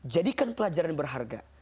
jadikan pelajaran berharga